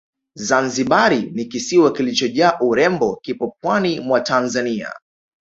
Zanzibari ni kisiwa kilichojaa urembo kipo pwani mwa Tanzania